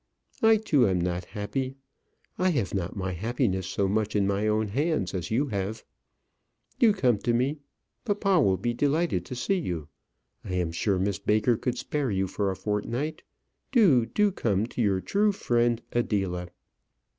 I too am not happy. I have not my happiness so much in my own hands as you have. Do come to me. Papa will be delighted to see you. I am sure Miss Baker could spare you for a fortnight. Do, do come to Your true friend, ADELA.